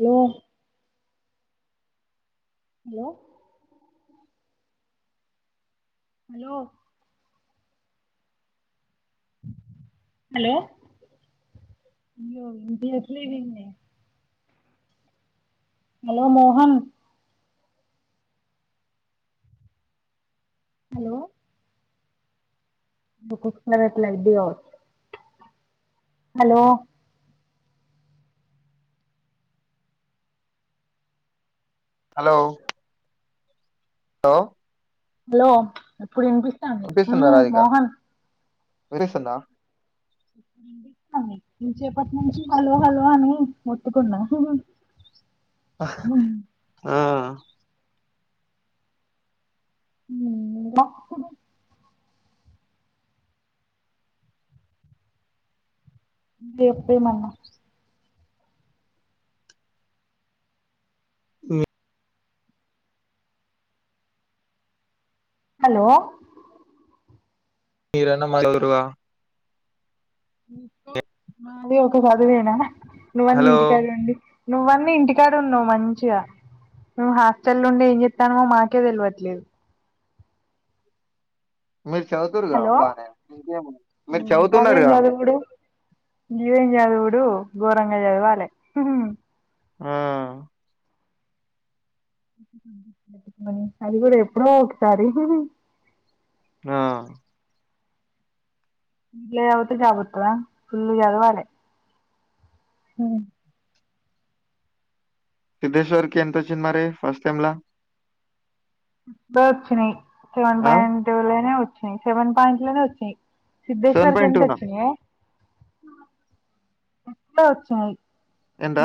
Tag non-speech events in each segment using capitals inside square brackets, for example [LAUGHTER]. Hello hello hello hello వినిపియట్లేదు ఎందే hello Mohan hello ఒక్కొక్కసారి అట్లా అయిద్ది కావచ్చు హలో హలో హలో హలో ఇప్పుడు విన్పిస్తు వినిపిస్తుందా రాధిక వినిపిస్తుందా ఇంచేపటినుంచి హలో హలో అని మొత్తుకున్న అహ్ ఆ [INAUDIBLE] దెప్పియు మన్నా మీ హలో మీరన్న మాట్లాడుదురుగా మాది ఒక చదివేనా, హలో నువ్వన్నింటిడుండీ నువ్వన్న ఇంటికాడున్నవ్ మంచిగా. మేం హాస్టలుండి ఏం చెత్తానమో మాకే తెల్వట్లేదు. మీర్ చదువుతూ హలో గదేం చదువుతున్నారుగా చదువుడు గిదేం చదువుడు ఘోరంగ చదవాలే. ఆ అది గుడ ఎప్పుడో ఒకసారి ఆ ఇట్లా చదివితే జాబ్ వత్తదా, ఫుల్లు చదవాలే ఉమ్ సిద్దేశ్వర్కి ఎంతొచ్చింది మరి ఫస్ట్ సెమ్ల? ప్పుడే వచ్చినయి, సెవెన్ ఆ పాయింట్ టూ లోనే వచ్చినయి, సెవెన్ పాయింట్ లోనే వచ్చాయి. సెవెన్ సిద్ధేశ్వర్కి పాయింట్ ఎంత టూ నా వచ్చినయే ఎక్కువే వచ్చాయి. ఎంత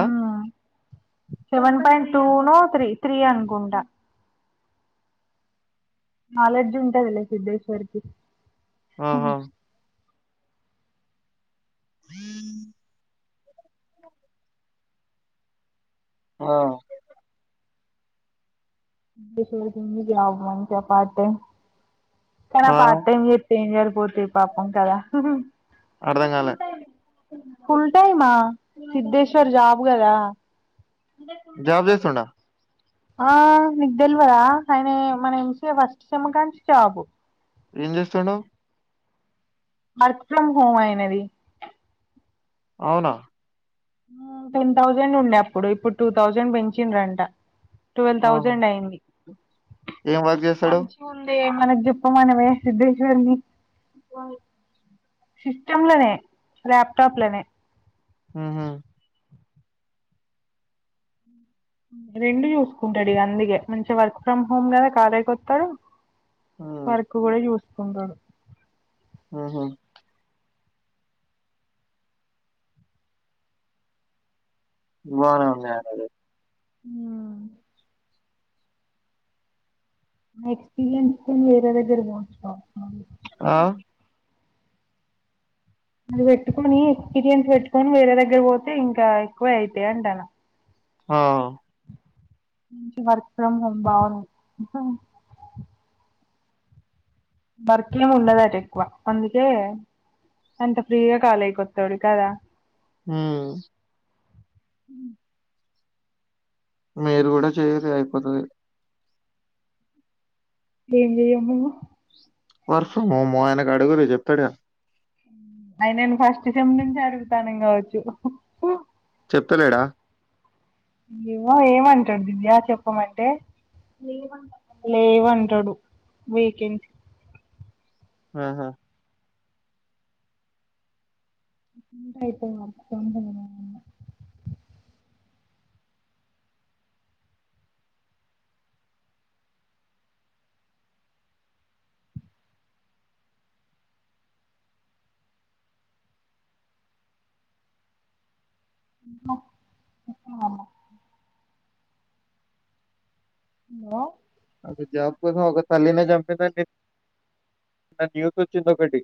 seven point two no, three three అనుకుంటా. నాలెడ్జ్ ఉంటది లే సిద్దేశ్వర్ కి ఆహ హ ఆ కనా ఆ పార్ట్ టైం చేత్ ఏం సరిపోతయ్, పాపం కదా అర్ధం కాలే ఫుల్ టైమా సిద్దేశ్వర్ జాబ్ కదా జాబ్ చేస్తుండా? ఆ నీక్ తెల్వదా ఆయనే మన M C A first sem కన్నించి జాబు. ఏం చేస్తుండు? వర్క్ ఫ్రమ్ హోమ్ అయినది. అవునా ఉమ్ టెన్ థౌజండ్ ఉండే అప్పుడు, ఇప్పుడు టూ థౌజండ్ పెంచిండ్రంట. ట్వల్వ్ ఆ థౌజండ్ అయింది, ఏం వర్క్ చేస్తాడు మంచి ముందే మనక్ చెప్ప మనవే సిధేశ్వర్ని సిస్టమ్ లనే, ల్యాప్టాప్ లనే ఉహు రెండు చూసుకుంటడు ఇగ అందుకే, మంచిగ వర్క్ ఫ్రమ్ హోమ్ కదా కాలేజ్ కొత్తడు. ఉ వర్కు గుడ జుస్కుంటడు ఉహు బాగుంది ఆయనకి ఉమ్ నా ఎక్స్పీరియన్స్ నేను వేరే దగ్గర పో [UNINTELLIGIBLE] ఆ అది పెట్టుకొని ఎక్స్పీరియన్స్ పెట్టుకొనీ వేరే దగ్గర పోతే ఇంకా, ఎక్కువే అయితయి అంటాన్న. ఆ ఈ వర్క్ ఫ్రమ్ హోమ్ బావు వర్క్ ఏం ఉండదట ఎక్వ అందుకే అంత ఫ్రీగా కాలేకి ఒత్తాడు కదా హమ్ మీరు గుడ చెయ్యూరి అయిపోతది ఏం జెయ్యం మేము వర్క్ ఫ్రం హోము ఆయినక్ అడుగుర్రి జెప్తడ్ఏమో ఆయినాన్ ఫస్ట్ సెమ్ నుంచి అడుగుతున్నాం గావచ్చు చెప్తలేడా ఏమో ఏమంటడు దివ్య చెప్పమంటే లేవంటడు వీకెన్సీ ఆహా అయిపోయింద తొందరన [INAUDIBLE] లో అదే జాబ్కోసం ఒక తల్లినే జంపిర్రంటే నాక్ యూత్ అచ్చింది ఒక్కటి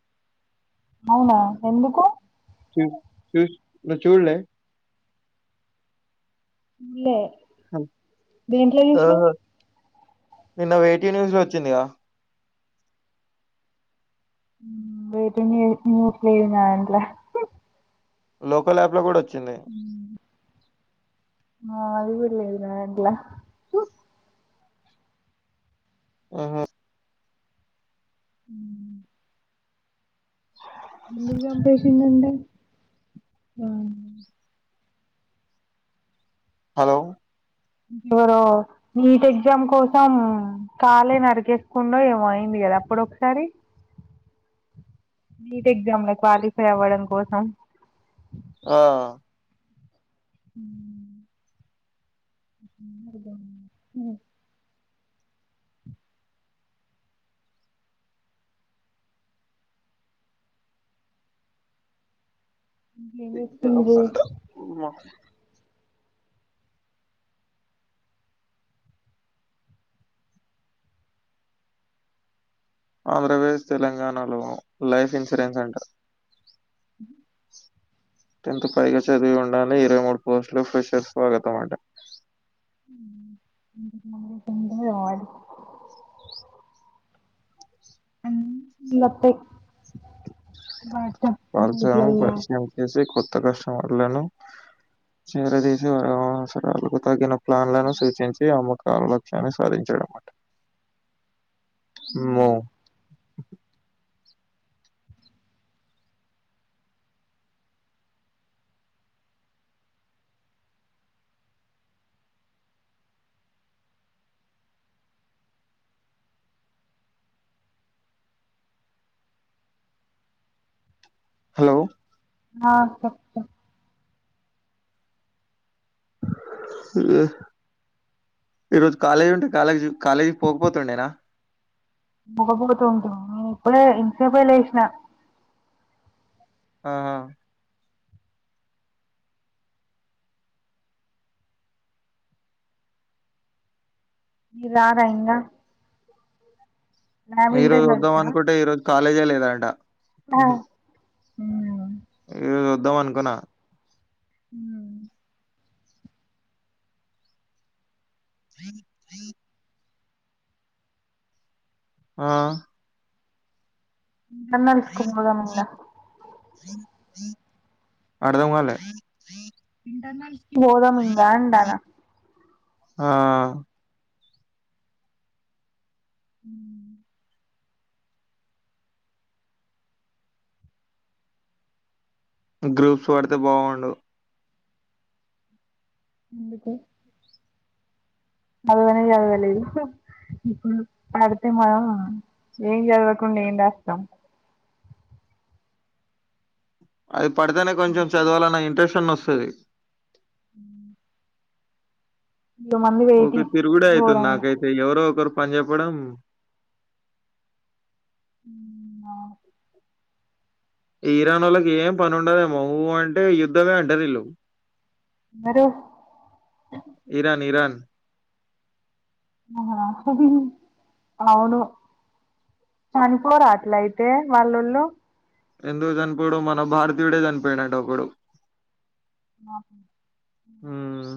అవునా ఎందుకు చూ చూస్ నువ్ చూల్లే ల్లే హబ్ హా నిన్న వేటీ న్యూస్లో ఒచ్చిందిగా వేటి న్యూ న్యూట్ లేద్ నాదాంట్లా లోకల్ అప్ల గూడా ఒచ్చింది ఆ అదిగుడ్ లేదు నాదాంట్లా ఉహు హు ఎందుకు జంపేసిందండే హా హలో ఎవరో నీట్ ఎగ్జామ్ కోసం కాలే నర్కేకుండో ఏమో అయింది గదా అప్పుడు ఒక్ సారి నీట్ ఎగ్జామ్ల క్వాలిఫై అవ్వడం కోసం ఆ [INAUDIBLE] ఏం ఇయ్యాలప్ చేస్తుండ్రు సండా ఉమ్మ ఆంధ్రపదేశ్ తెలంగాణలో లైఫ్ ఇన్సూరెన్స్ అంట్ర [INAUDIBLE] టెన్త్ పైగా చదివి ఉండలీ ఇరవై మూడు పోస్ట్ లో ఫ్రెషర్ స్వాగతం అమాట హు [UNINTELLIGIBLE] ఆడు హు ఫుల్ అత్తయ్ వాటర్ బాటిల్లల్లా చేసే కొత్త కస్టమర్లలో చీర తీసి అవసరాలకు తగిన ప్లాన్లను సూచించి అమ్మకాల లక్ష్యాన్ని సాధించాడు అన్మాట మో హలో ఆ అక్క ఏ ఈ రోజు కాలేజీ ఉంటే కాలేజ్ కాలేజీ పోకపోతుండేనా పోకపోతుంటిని నేను ఇప్పుడే ఇంతసేపే లేసిన ఆ మీరు రారా ఇంగా ల్యాబ్ ఈ రోజు వద్దాం ఇంటర్నల్సా అనుకుంటే ఈ రోజు కాలేజే లేదట మ్మ్. ఈ రోజు వద్దాం అనుకున్నా ఉమ్మ్ అ అ ఆ [UNINTELLIGIBLE] తీసుకొని పోదాం ఇంగ అర్ధం కాలే ఇంటర్నెట్కి పోదాం ఇంగా అంటన్న ఆ ఉ గ్రూప్స్ పడితే బాగుండు ఎందుకు చదువనే చదవలేదు ఇప్పుడు పడితే మనం ఏం చదవకుండా ఏం రాస్తాం అది పడితేనే కొంచెం చదవాలన్న ఇంట్రెస్ట్ అన్న వస్తది ఇక మంది ఉకే వెయిటింగ్ తిరుగుడే అవుతుంది ఘోరంగా నాకైతే ఎవరో ఒకరు పని చెెప్పడం [UNINTELLIGIBLE] ఇరాన్ నొళ్ళకి ఏం పని ఉండదేమో ఉ అంటే యుద్ధమే అంటారు వీళ్ళు హరో ఇరాన్ ఇరాన్ అవును చనిపోరా అట్లయితే వాళ్లొళ్ళు ఎందుకు చనిపోడు మన భారతీయుడే చనిపోయిండట ఒక్కడు ఉమ్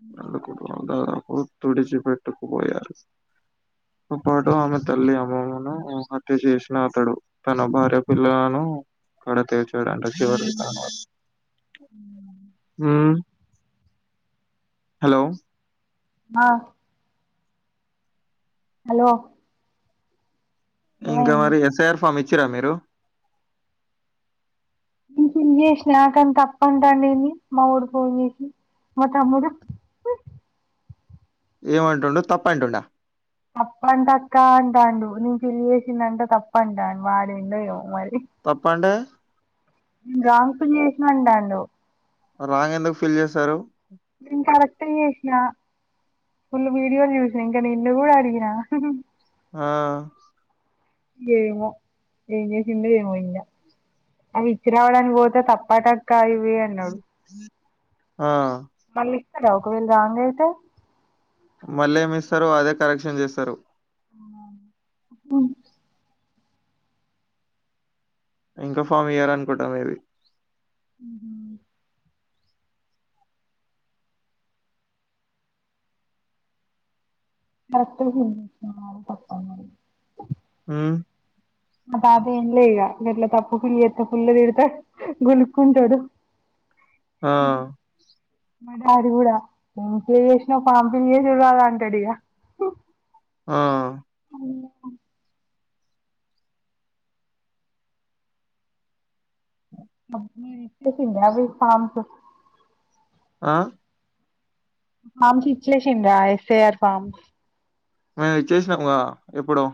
ఉ అందుకు దాదాపు [UNINTELLIGIBLE] పట్టుకుపోయారు తో పాటు ఆమె తల్లి అమ్మమ్మను హత్య చేసిన అతడు తన భార్య పిల్లలను కడ చేర్చాడట చివరి ఉమ్ హలో ఆ హలో ఇంకా ఏమైంది మరి ఎస్ఐఆర్ ఫామ్ ఇచ్చిర్రా మీరు ఫిల్ చేసిన కానీ తప్పంటాండు ఏంది మావోడు ఫోన్ చేసి మా తమ్ముడు ఏమంటుండు తప్పు అంటుండా తప్ప అంటక్క అంటాండు నేను ఫిల్ చేసిందంట తప్పంటాడు వాడు ఏందో ఏమో మరి తప్పంటే రాంగ్ ఫిల్ చేసినవ్ అంటాండు రాంగ్ ఎందుకు ఫీల్ చేశారు నేను కరెక్ట్ ఏ చేసినా ఫుల్ వీడియోలు చూసిన ఇంకా నిన్ను గూడా అడిగిన ఆ ఏమో ఏం చేసిందో ఏమో ఇంగ అవి ఇచ్చి రావడానికి పోతే తప్పటక్క ఇవి అన్నాడు ఆ మళ్ళీ ఇస్తారా ఒకవేళ రాంగయితే మళ్ళ ఏమి ఇస్తారు అదే కరెక్షన్ చేస్తారు హ్మ్ ఇంకొ ఫామ్ ఇయ్యరు అనుకుంటాం మేబీ ఉహు కట్టు హిం నాది తప్పు అన్నది హ్మ్ మా తాత ఎంలే ఇగ ఇట్ల తప్పు ఫిల్ చేస్తే ఫుల్ తిడుతడు గునుక్కుంటడు ఆ! అ మా డాడీ కూడా ఎంసిఏ చేసినవ్ ఫామ్ ఫిల్ చేసుడు రాదా అంటాడు ఇగ ఆ మీరు ఇచ్చేసిండ్రా? అవి ఫార్మ్స్ ఆ ఫామ్స్ ఇచ్లేషిరా ఎస్ఐఆర్ ఫార్మ్ మేము ఇచ్చేసినాము గదా ఎప్పుడో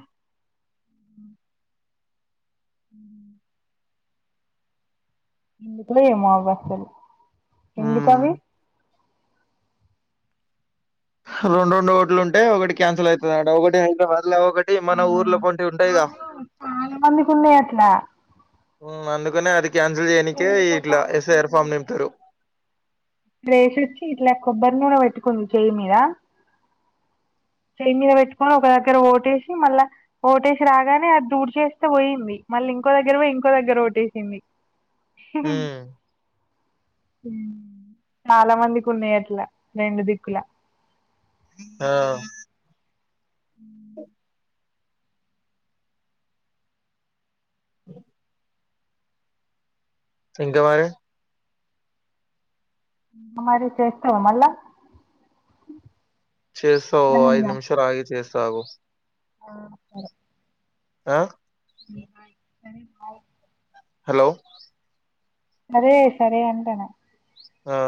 ఉ ఎందుకో ఏమో అసలు ఎందుకు హ్మ్. అవి రెండు రెండు ఓట్లు ఉంటే ఒకటి క్యాన్సిల్ అయితదట ఒకటి హైదరాబాద్ లో ఒకటి ఆ మన ఊర్లో అటువంటి ఉంటాయిగా అవును చాలా మందికీ ఉన్నాయి అట్లా అందుకనే అది క్యాన్సిల్ చేయనికి ఇట్లా ఎస్ఐఆర్ ఫామ్ నింపీరు రేసి వచ్చి ఇట్లా కొబ్బరి నూనె పెట్టుకుంది చెయ్యి మీద చెయి మీద పెట్టుకొని ఒక దగ్గర ఓటేసి మళ్ళా ఓటేసి రాగానే అది తుడు చేస్తే పోయింది మళ్ళీ ఇంకో దగ్గర పోయి ఇంకో దగ్గర ఓటేసింది హ హ్మ్. చాలా మందికి ఉన్నాయి అట్లా రెండు దిక్కులా ఆ అ అ ఇంకా మరి మరి చేసినవ మల్ల చేస్తా ఓ ఐదు నిమిషాలాగి చేస్తాగు ఆ సరే ఆ అ హలో సరే సరే అంటనా ఆ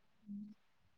అ